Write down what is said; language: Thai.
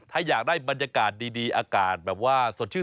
ถ้าอยากได้บรรยากาศดีอากาศแบบว่าสดชื่น